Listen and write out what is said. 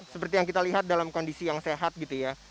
seperti yang kita lihat dalam kondisi yang sehat gitu ya